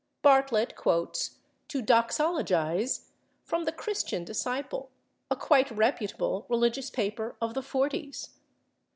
Bartlett quotes /to doxologize/ from the /Christian Disciple/, a quite reputable religious paper of the 40's.